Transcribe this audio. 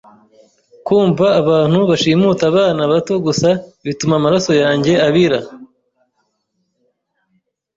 Kumva abantu bashimuta abana bato gusa bituma amaraso yanjye abira.